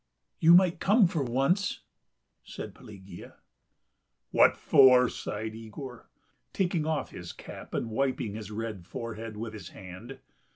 "You might come for once," said Pelagea. "What for?" sighed Yegor, taking off his cap and wiping his red forehead with his hand.